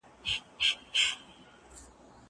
زه له سهاره سبزیجات وچوم؟